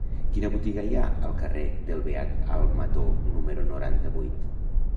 Quina botiga hi ha al carrer del Beat Almató número noranta-vuit?